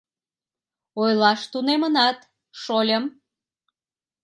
— Ойлаш тунемынат, шольым.